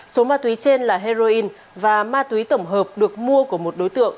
số ma túy trên là heroin và ma túy tổng hợp được mua của một đối tượng